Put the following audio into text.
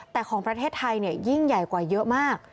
แต่ของประเทศไทยยิ่งใหญ่กว่าเยอะมาก